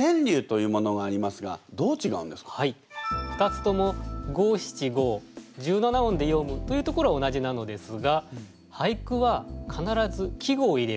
２つとも五・七・五十七音でよむというところは同じなのですが俳句は必ず「季語」を入れるという約束があります。